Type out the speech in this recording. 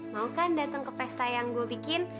mau kan datang ke pesta yang gue bikin